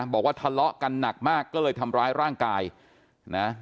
บอกว่าทะเลาะกันหนักมากก็เลยทำร้ายร่างกายนะ